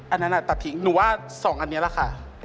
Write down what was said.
อันนั้นตัดทิ้งหนูว่า๒อันนี้แหละค่ะ